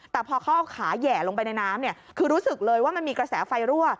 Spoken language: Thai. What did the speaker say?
แต่พอเขาเอาขาแห่ลงไปในน้ำเนี่ยคือรู้สึกเลยว่ามันมีกระแสไฟรั่ว